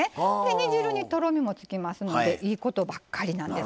煮汁にとろみもつきますもねいいことばっかりなんです。